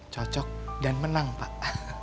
cocok dan menang pak